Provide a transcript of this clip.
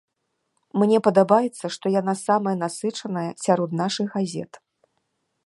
Мне падабаецца, што яна самая насычаная сярод нашых газет.